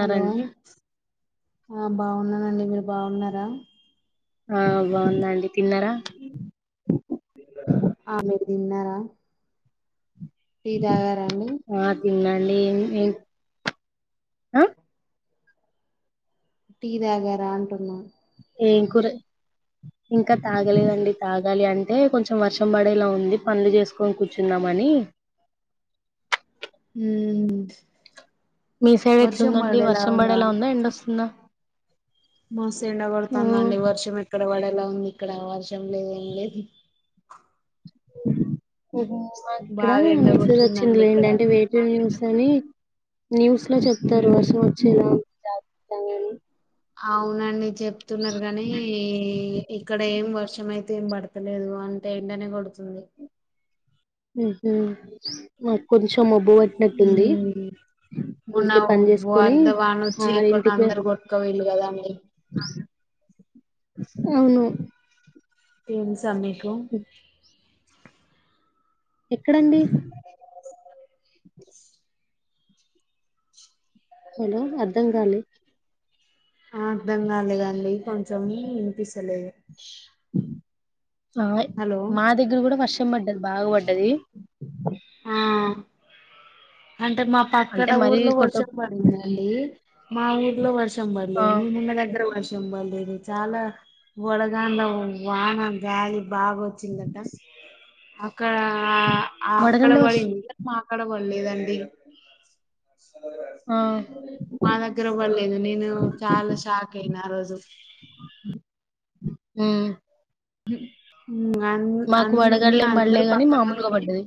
Hello ఆ బాగున్నానండి మీరు బాగున్నారా ఆ బాగుందండి తిన్నారా ఆ మీరు తిన్నారా ఈదాగారన్ని తిందండి ఏ టీ తాగారా అంటున్నా ఏం కూర ఇంకా తాగలేదండి తాగాలి అంటే కొంచెం వర్షం పడేలా ఉంది పనులు చేసుకొని కూర్చున్నామని ఉమ్ మీ సైడ్ ఎట్లుందండి వర్షం పడేలా ఉందా ఎండొస్తుందా మస్త్ ఎండ కొడుతుందండి వర్షం ఎక్కడ పడట ఎలా ఉంది ఇక్కడ వర్షం లేద ఏం లేదు అహుమ్ ఇక్కడ బాగా ఎండ మేసేజ్ వచ్చింది కొడుతుందండి లేండి ఇక్కడ ఏంటే వెయిట్ చేయిచడం సని న్యూస్ లో చెప్తారు ఉమ్ వర్షం వచ్చేలా చత అవునండి చెప్ప చెప్తున్నారు గాని ఇక్కడ ఏం వర్ష ర్షం అయితే ఏం పడతలేదు అంట ఎండనే కొడుతుంది ఉహు మా కురిసే భూ పట్టినట్టుంది ఉమ్ మొన్న అందుకే పని చేసుకొని వరద వాన వచ్చి ఆ ఎక్కడ ఇంటికి అందరు కొట్టుకపోయిల్లు కదండి ఉను ఏం చేస్ స మీకు ఎక్కడండి. హలో అర్ధం కాలె. ఆ అర్థం కాలేదండి కొంచెం వినిపిస్తలేదు. ఆహ్ హలో మా దగ్గర కూడా వర్షం. వర్షం పడ్డది బాగా బడ్డది. ఆ అంటే మా అంటే పక్కన మరీ ఊర్లో కొట్ట వర్షం పడిందండి మా ఊర్లో వర్షం ఆ పడలేదు మెమున్న దగ్గర వర్షం. చంబలేదు చాలా వడగాళ్ల వాన గాలి బాగా వచ్చిందంట అ కా ఆ అక్కడ వడగండ్ల వర్ష పడింది మా ఎక్కడ పడలేదు అండి ఆ మా దగ్గర పడలేదు నేను చాలా షాక్ అయినా ఆ రోజు ఉ ఉమ్ అన్ అన్ మీ వడగళ్ల ఏం పడలే అందరు గాని మామూలుగా పక్కనోళ్లని పడ్డది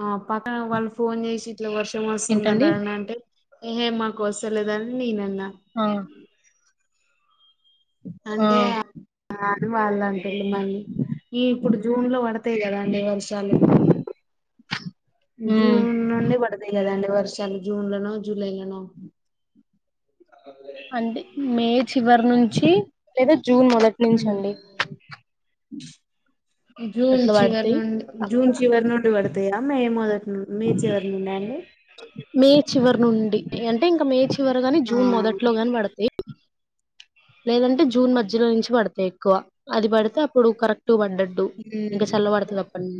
ఆ పక్కన వాళ్లు ఫోన్ చేసి ఇట్ల వర్షం ఏంటండి వస్తుందందంట అంటే ఏహే మాకు వస్తాలేదని నేను అన్నా ఆ అంటే ఆ ఆనవాళ్ళంటే మళ్లీ ఈప్పుడు జూన్ లో పడతాయి కాదండి వర్షాలు ఉమ్ జూన్ నుండి పడతాయి కాదండి వర్షాలు జూన్‌లోనో జూలైలోనో అంటే మే చివరి నుంచి [unintelligible] జూన్ మొదటి నుంచి ఉమ్. అండి హ్మ్మ్ జూన్ చివరి నుండి జూన్ చివరి నుండి పడతాయా, మే మొదటి మీ జర్నీ మే చివరి నుండి అంటే ఇంకా మే చి చివర గాని ఆ జూన్ మొదట్లో గాని పడతాయి లేదంటే జూన్ మధ్యలో నుంచి పడతాయి ఎక్కువ. అది పడితే అప్పుడు కరెక్ట్ టూ పడ్డట్టు ఇంక ఉమ్. చల్ల పడతాది అపుడు నుం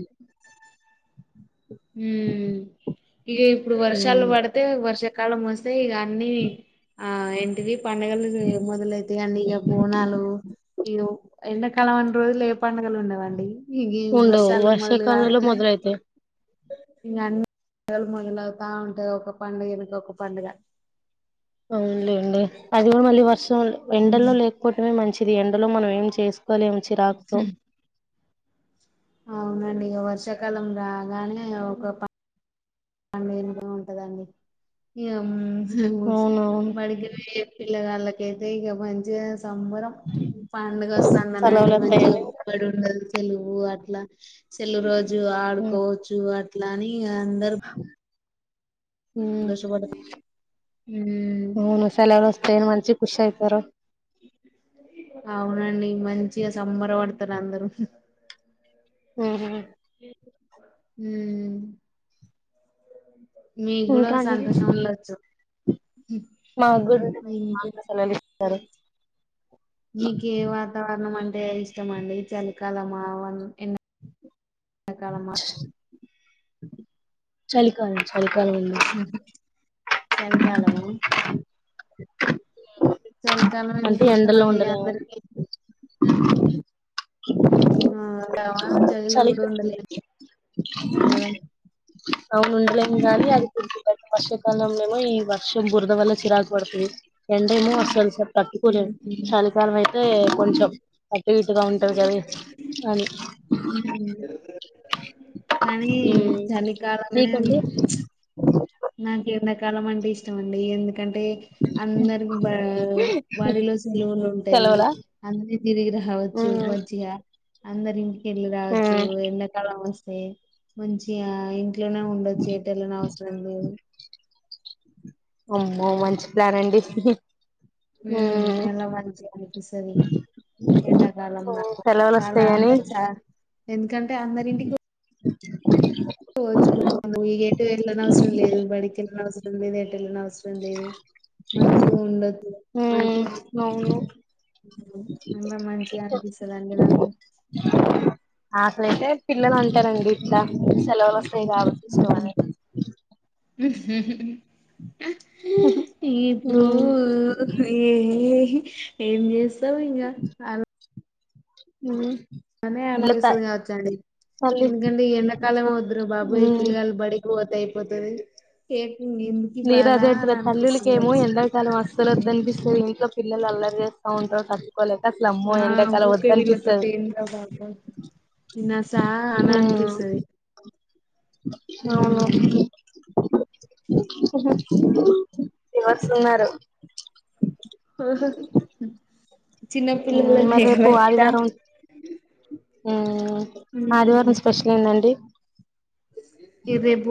మ్మ్ ఇగ ఇప్పుడు వర్షాలు హ్మ్ పడితే వర్ష కళ్లు మూస్తే ఇగ అన్ని ఆ ఏంటిది పండుగలు మొదలైతాయి అన్ని ఇక బోనాలు ఎండాకాలం అన్ని రోజులేం పండుగలు ఉండవండి ఇ ఉండవు వర్షాలు వర్షాకాలంలో మొదలుగాగానే మొదలైతాయి ఇ అన్నీ మొదలవుతా ఉంటాది ఒక పండుగ వెనుక ఒక పండుగ ఉందండీ అది మళ్ళీ వర్ష సో ఎండల్లో లేకపోవడమే మంచి ఇది ఎండలో మనమేం చేస్ ఉదయం నుంచి రాక్ తో అవునండి వర్షాకాలం రాగానే ఒక ప ఏం మ్మ్ అవునవును పిల్లగాళ్లకైతే ఇక మంచిగా చూస్ సంబరం పండుగ వస్తుందని అంటే సెలవులు మంచిగ వస్తాయని బడి ఉండదు సెలువు అట్లా సెలువు రోజు చ్చు హ్మ్ ఆడుకోవచ్చు తినాలి ఇగ అందరూ మ్మ్ ఉమ్ మ్మ్ సెలవులొస్తాయని మంచిగా ుష అయితార అవునండి మంచిగా సంబర పడతారు అందరూ మ్మ్ హు హమ్ మీ కూడా సంతోషం ఉండొచ్చు మాగుడు మా కూడా సెలవలు సరే మీక ఏ వాతావరణం అంటే అంట ఇష్టం మండి చలి కాలమా వర్ ఎండాకాలమా చలి కాలం చలికాలం ఉంది చలికాలమా చలికాలం అంటే ఎందుకు ఎండలో ఇష్టంమండి ఉండలేము అందరికి ఆ చెలిలో కూడ చలికాలం ఉండలేం అవును ఉండలేం కాని అది కుడుకు వర్షాకాలంలో ఏమో ఈ వర్షం బురద వల్ల చిరాకు పడుతుంది ఎండ ఏమో అసలుస తట్టుకోలేం ఉమ్. చలికాలం అయితే కొంచెం అట్టు ఇటుగా ఉంటంది కద అది ఉమ్ మేం నాంకి ఎండాకాలం అంటే ఇష్టంమండి ఎందు ఎ కంటే అందరికి బ బడిలో సెలవులు ఉంటాయి సెలవులా అందరి తిరిగి రావచ్చు మ్మ్ మంచిగా అందరింగి వెళ్ళు రాజు మ్మ్ ఎన్నకాల ఏ మంచి ఆ ఇంట్లోనే ఉండొచ్చు ఎట్టు వెళ్ళన అవసరం అమ్ అమ్మో మంచి ప్లాన్ అండి అహుమ్ ఉమ్ ఎలా మంచిగా అనిపిస్తుంది ఎండాకాలం నాకు సెలవులు చాలా వస్తాయని అంటే చా ఎందుకంటే అందరింటికి చె ఓ ఏట్టు వెళ్ళన అవసరం లేదు బడికి వేళనవసరం తొమ్మిది వెళ్ళిన అవసరం లేదు మంచి ఉండదు మ్మ్ అవును అబ మంచిగా అనిపిస్తుందిండి నాకు అసలైతే పిల్లలు అంటారండి ఇట్లా సెలవులు వస్త [unintelligible] ఉమ్మ్ ఇప్పుడు మ్మ్ ఏమి ఏం చేస్ తంగా అల ఉ అనే [unintelligible] కావచ్చండి తల్లి ఎందుకంటే ఈ ఎండాకాలం వద్దురా బాబు ఈ ఉమ్ పిల్లగాలు బడికి పో అయిపోతది ఫేక్ నేనదే అంటున్న తల్లిలకి ఏమో వచ్చి ఎండాకాలం అస్సలు వద్దనిపిస్ [unintelligible] ఇంట్లో పిల్లలు అల్లరి చేస్తా ఉంటారు క ఆ ఊకే వీళ్ళతోటి ఏంది రా బాబోయ్ ఈ నాసా అని అనిపిస్తది అవును ఉమ్ ఏస్తున్నారు చిన్న ఉమ్ మరి పిల్లలనే రేపు కదా ఇంకా ఆదివారం ఊ ఆదివారం స్పెషల్ ఏందండి ఇ రేబు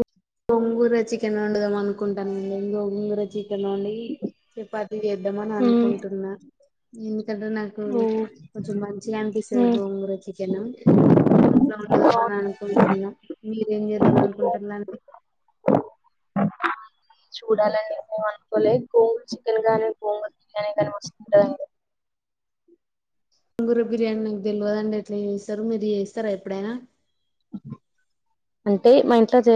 గోంగూర చికెన్ వండుదాం అనుకుంటున్న ఒంగుర ఒంగుర చికె [unintelligible] చపాతిీ చేద్దాం అని ఉమ్ అనుకుంటున్నా ఉ కంటె నాకు ఉమ్ కొంచెం మంచిగా అనిపిస్తది ఉమ్ గోంగూర చికెను అట్లా వండుదాం అనుకుంటున్న మీరేం చేద్దాం అనుకుంటున్ అండి చూడాలండి ఏం అనుకోలే గోంగూర చికెన్ గానీ గోంగూర బిర్యానీ గాని మస్తుంటదండి గోంగూర బిర్యానీ నాక్ తెల్వదండీ ఎట్లా చేస్తారో మీరు చేస్తారా ఎప్పుడైనా అంటే మా ఇంట్లో చే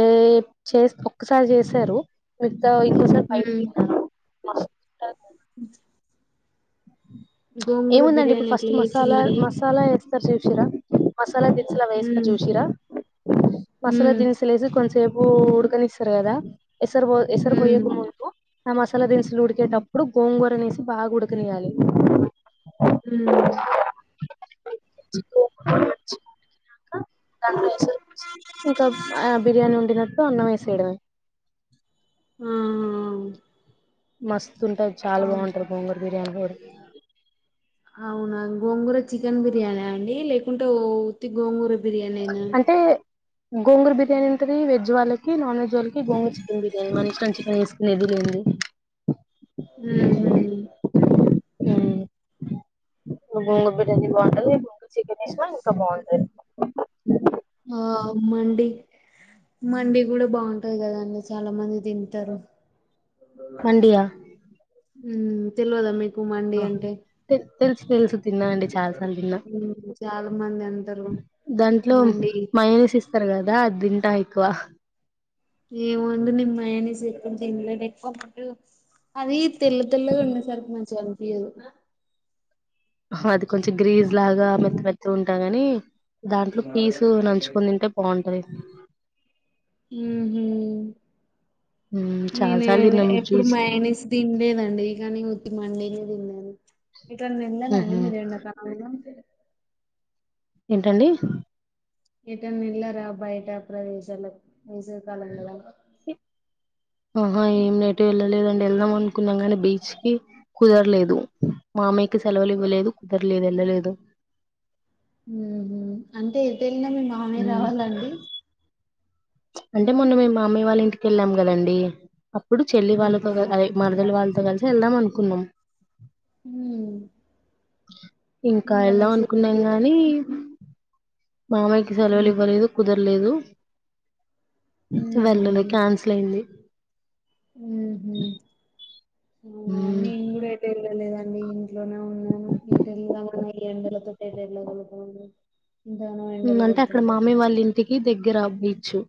చే ఒక్కసారి చేసారు స ఇంకోసారి బయట ఉమ్ తీన్నామ అ గోంగూర ఏముందండి ఇప్పుడు బిర్యానీ ఎట్లా ఫస్ట్ మసాలా చేసిల్లండి మసాలా వేస్తారు చెడం ఫస్ట్ మసాలా దినిసులు అవి యేసుకొని ఉమ్ చూసీరా మసాలా ఉమ్ దినిసులేసి కొంసేపూ ఉ ఉడకనిస్తారు కదా ఎసరు బో ఎసర్ ఉమ్ బొయ్యక ముందు నమస్ సాల దిన్స్ స్లు ఉడికేటప్పుడు గోంగూరనేస్ బాగా ఉడకనియాలి మ్మ్ గోంగూర మంచిగా ఉడికినాక ఇంకా ఆ బిర్యానీ వండిన కో అన్నమేసేడమే ఆహా మస్ స్తుంటది చాలా బాగుంటది గోంగూరా బిర్యానీ కూడా ఆ, అవునా గోంగూర చికెన్ బిర్యానా అండి లేకుంటే ఉత్తి గోంగూర బిర్యానేనా అంటే గోంగూర బిర్యానీ ఉంటది వెజ్ వాళ్ళకి నాన్ వెజ్ వాళ్ళకి గోంగూర చికెన్ బిర్యానీ ఉహ్మ్ గోంగు బిర్యానీ బాగుంటదింగ చికెన్ వేసినా ఇంకా బాగుంటది ఆ మండి మండి కూడా బాగుంటది కదండి చాలా మంది తింటారు మండియా ఉ తెల్వదా మీ కు మండి అంటే తెలుస్ తెలుసు తిన్నా అండి చాలాసార్లు తిన్నా ఉమ్ చాలా మంది అంటారు దాంట్లో మండి మైయేసిస్ తరు కదా అదింటాం ఎక్కువ ఏమో అండి నేన్ మయోనీస్ ఎప్పుడు తినలే ఎక్కువ పాటు అది తెల్ల తెల్లగా ఉండేసరికి మంచిగా కనిపించదు హా అది కొంచెం గ్రీజ్ లాగా మెత్త మెత్త ఉంటాదని దాంట్లో పీసు నంచుకొని తింటే బాగుంటది. ఉహూ చాలా నేను సార్లు తిన్నాము ఎప్పుడు జ్యూస్ మైనేస్ తినలేదండి కానీ ఉత్తి మండీనే తిన్న యమ్మి ఎటన్నవెళ్ళలేదాండి మీరు ఎండ కాలమ్లో ఏంటండి ఏటన్నెల్లారా బయట ప్రదేశాల వేసవి కాలం కదా ఆహా ఏం ఏటు వెళ్ళలేదండి వెళ్దాం అనుకున్నాం గానీ బీచ్ కి కుదరలేదు మామయ్య కి సెలవులు ఇవ్వలేదు కుదర్లేదు ఎళ్ళలేదు ద్ ఉహు అంటే ఎ టెళ్ళిన మీ మామయ్య రావాలా అండి అంటే మొన్న మామయ్య వాళ్ళ ఇంటికి కేళ్ళాం కదండి అప్పుడు చెల్లి వాళ్ళతో ఆహా క అదే అట్లనా మరదలు వాళ్లతో కలిసి వెళ్దాం అను కున్నామ్ హూ [inaudible] ఇంకా వెళ్దాం అనుకున్నాం నీళ్ళు గానీ మా మామయ్య కి సెలవులు ఇవ్వలేదు కుదరలేదు ఉహు వెళ్ళలే క్యాన్సిల్ అయింది హు హూ మీ హ్మ్. మమ్మీ ఊరు అయితే వెళ్లలేదా అండి మీ ఇంట్లోనే ఉన్నాను ఎటు వెళ్దాం అన్న ఎండలతో పాటు కొలుత అంటే అక్కడ మామయ్య వాళ్ళ ఇంటికి దగ్గర నిీచ్చు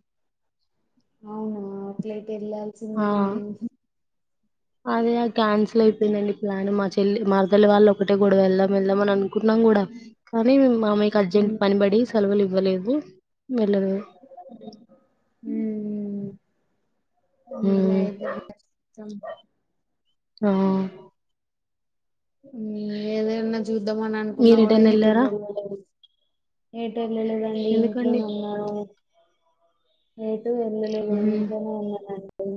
అవును అట్లయితే ఆ వెళ్ళాల్సిందేనండి ఇం అదే క్యాన్సిల్ అయిపోయిందండి ప్లాన్ మా చెల్లి మారుతలి వాళ్ళు ఒకటే గొడవ వెళ్దాం వెళ్దాం అని అనుకున్నాం కూడా కానీ మయ్యకు అర్జెంట్ పనిపబడి సలవులివు బలేహుట్ హు ఉమ్ వీలైతే కచ్చితం ఆ ఏదన్న చూద్దామని అనుకున్నా కూడా మీరెటైనా ఎటు వెళ్ళారా పోలేదు ఏ వెళ్ళలేదండి ఎందుకండి ఇంట్లోనే ఉన్నారు ఎత్ వెళ్ళలే ఉమ్ ఇంట్లోనే ఉన్నాండి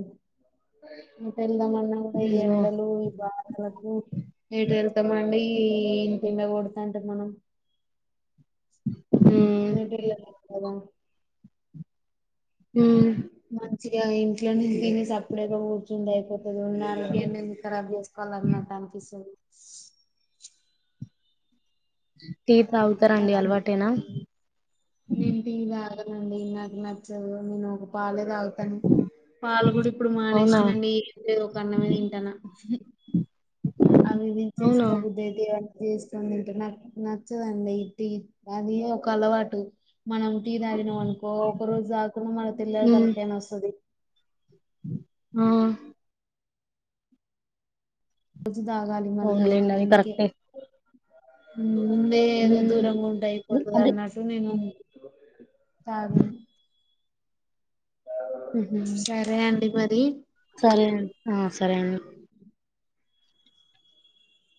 అంతే విదమన్నా ఈ అయ్యో ఎండలు ఈ బాధలు ఏటె వెళ్తమా అండీ ఇంత ఎండ కొడుతుంటే మనం ఉమ్ ఏంటి [unintelligible] హ్మ్ ఇంట్లోనే తిన్ని సపుడు వేసుకొని కూర్చుంటే అయిపోల్ [unintelligible] నాలుగే [unintelligible] ఖరాబ్ చేసుకోవాలా అనట్టు అనిపిస్తుంది జ టీ తాగుతారా అండి కదండి అలవాటేనా అండి నాకు నచ్చదు నేను పాలే తాగుతాను పాలు కూడా ఇప్పుడు అవునా మానేసింనండీ ఏం లేదు ఒక అన్నమే తింటాన అవి ఇవి అవునా చేసుకోబుధైతే [unintelligible] చేసుకొని తింటున్న నచ్చదండి ఇటు అది ఒక అలవాటు మనం టీ తాగినం అనుకో ఒక రోజు తక్కున మన తెల్ల ఉమ్ తలకాయ నొస్తది ఆ రోజు తాగాలి మళ్ళీ అవునులేండి అది అందుకే కరెక్టే ముందే ఏదో ఉమ్ దూరంగా ఉంటే అయిపోతుంది అంటే అన్నట్టు నేను తగను ఉహు సరే అండి మర్ [unintelligible] సరే అండి ఆ సరే అండి